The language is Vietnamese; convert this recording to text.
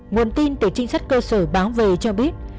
nguồn tin từ trinh sát cơ sở báo về cho biết